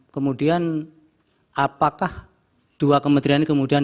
kemudian apakah dua kementerian ini kemudian